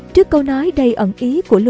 trước câu nói đầy ẩn ý của lưu